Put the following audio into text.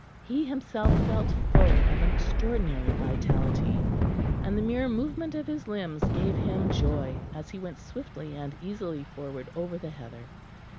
He himself felt full of an extraordinary vitality, and the mere movement of his limbs gave him joy as he went swiftly and easily forward over the heather.